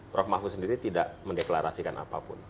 prof mahfud sendiri tidak mendeklarasikan apapun